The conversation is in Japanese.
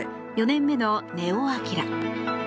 ４年目の根尾昂。